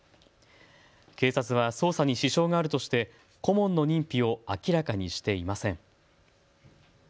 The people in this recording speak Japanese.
警察は捜査に支障があるとして顧問の認否を明らかにしていません。